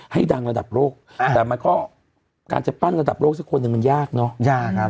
ให้ดังระดับโลกแต่มันก็การจะปั้นระดับโลกสักคนหนึ่งมันยากเนอะยากครับ